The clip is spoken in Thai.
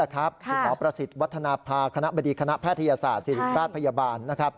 คุณหมอประสิทธิ์วัฒนภาคณะบดีคณะแพทยศาสตร์ศิริราชพยาบาล